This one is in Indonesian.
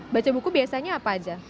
baca buku biasanya apa aja